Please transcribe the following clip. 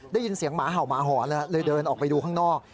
ได้ยินเสียงหมาเห่าหมาหอนเลยเดินออกไปดูข้างนอก